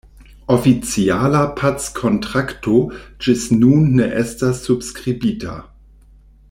Oficiala packontrakto ĝis nun ne estas subskribita.